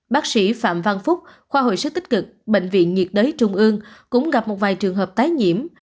bác sĩ phạm văn phúc khoa hồi sức tích cực bệnh viện nhiệt đới trung ương cũng gặp một vài trường hợp tái nhiễm